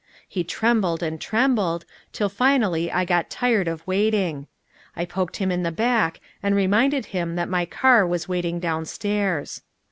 He trembled and trembled, till finally I got tired of waiting. I poked him in the back, and reminded him that my car was waiting down stairs.